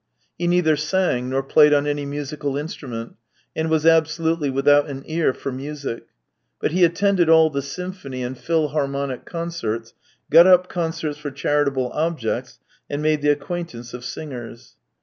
He neither sang nor played on any musical instrument, and was absolutely without an ear for music, but he attended all the symphony and philharmonic concerts, got up concerts for charitable objects, and made the acquaintance of singers.